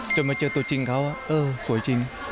มาเจอตัวจริงเขาเออสวยจริง